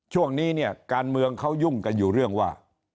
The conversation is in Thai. ช่วงนี้เนี่ยการเมืองเขายุ่งกันอยู่เรื่องว่า